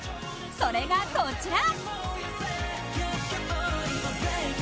それがこちら。